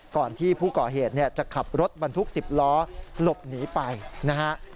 ก่อนที่ผู้ก่อเหตุจะขับรถบรรทุก๑๐ล้อหลบหนีไปนะฮะ